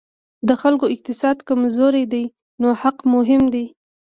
د خلکو اقتصاد کمزوری دی نو حق مهم دی.